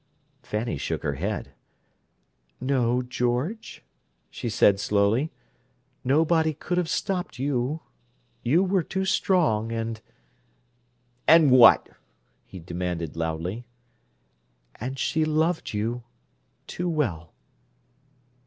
Fanny shook her head. "No, George," she said slowly. "Nobody could have stopped you. You were too strong, and—" "And what?" he demanded loudly. "And she loved you—too well."